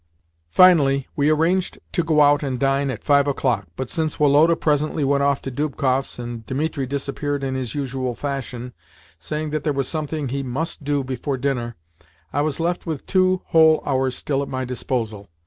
Finally, we arranged to go out and dine at five o'clock, but since Woloda presently went off to Dubkoff's, and Dimitri disappeared in his usual fashion (saying that there was something he MUST do before dinner), I was left with two whole hours still at my disposal.